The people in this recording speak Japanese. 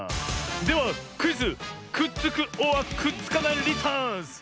ではクイズ「くっつくｏｒくっつかないリターンズ」！